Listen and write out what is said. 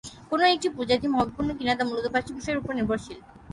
কোন একটি প্রজাতি মহাবিপন্ন কিনা তা মূলত পাঁচটি বিষয়ের উপর নির্ভরশীল।